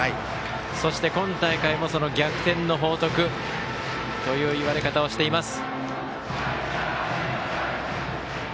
そして今大会も逆転の報徳という言われ方をしています。